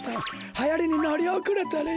はやりにのりおくれとるよ